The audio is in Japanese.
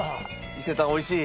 伊勢丹おいしい？